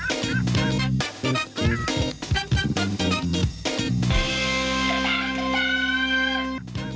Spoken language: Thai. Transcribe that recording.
สุดท้าย